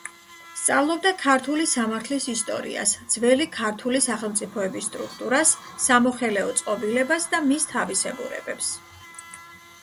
სწავლობდა ქართული სამართლის ისტორიას, ძველი ქართული სახელმწიფოების სტრუქტურას, სამოხელეო წყობილებას და მის თავისებურებებს.